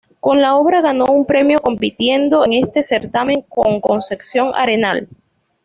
Con la obra ganó un premio, compitiendo en este certamen con Concepción Arenal.